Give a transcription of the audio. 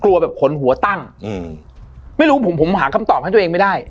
แบบขนหัวตั้งอืมไม่รู้ผมผมหาคำตอบให้ตัวเองไม่ได้